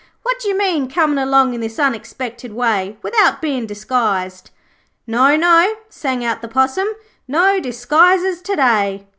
'What d'you mean, comin' along in this unexpected way without bein' disguised?' 'No, no,' sang out the Possum. 'No disguises to day.'